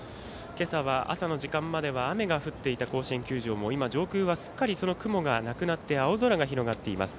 今朝は、朝の時間までは雨が降っていた甲子園球場もすっかりその雲がなくなって青空が広がっています。